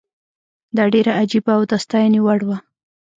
دا ډېره عجیبه او د ستاینې وړ وه.